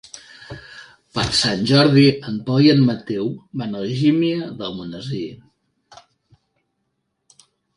Per Sant Jordi en Pol i en Mateu van a Algímia d'Almonesir.